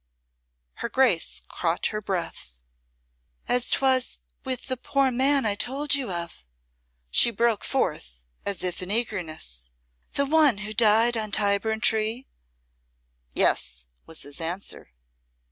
Her Grace caught her breath. "As 'twas with the poor man I told you of," she broke forth as if in eagerness, "the one who died on Tyburn Tree?" "Yes," was his answer.